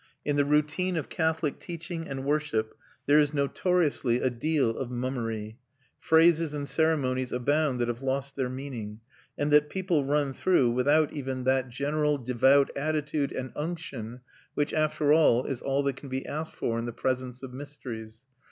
In the routine of Catholic teaching and worship there is notoriously a deal of mummery: phrases and ceremonies abound that have lost their meaning, and that people run through without even that general devout attitude and unction which, after all, is all that can be asked for in the presence of mysteries.